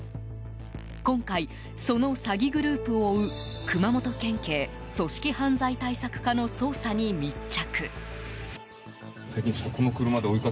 今回、その詐欺グループを追う熊本県警組織犯罪対策課の捜査に密着。